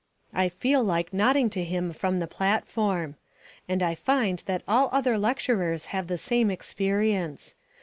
I feel like nodding to him from the platform. And I find that all other lecturers have the same experience.